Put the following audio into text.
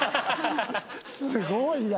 すごいな。